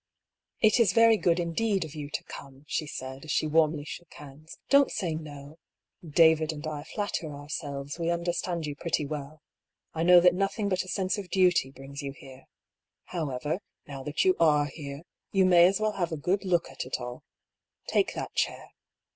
" It is very good, indeed, of you to come," she said, as she warmly shook hands. ^' Don't say, No ! David and I flatter ourselves we understand you pretty well. I know that nothing but a sense of duty brings you 170 DR. PAULL'S THEORY. here. However, now that you are here, you may as well have a good look at it all. Take that chair.